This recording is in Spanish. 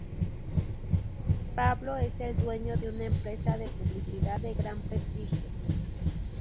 Pablo es el dueño de una empresa de publicidad de gran prestigio.